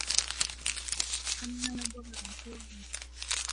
ทำนาบนหลังคน